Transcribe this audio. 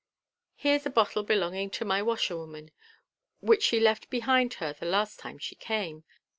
Here's a bottle belonging to my washerwoman, which she left behind her the last time she came.